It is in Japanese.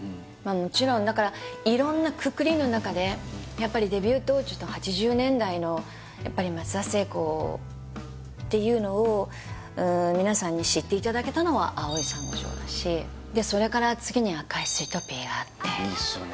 もちろんだから色んなくくりの中でやっぱりデビュー当時と８０年代のやっぱり松田聖子っていうのを皆さんに知っていただけたのは「青い珊瑚礁」だしでそれから次に「赤いスイートピー」があっていいっすよね